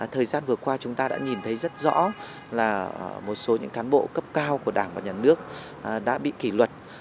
thời gian vừa qua chúng ta đã nhìn thấy rất rõ là một số những cán bộ cấp cao của đảng và nhà nước đã bị kỷ luật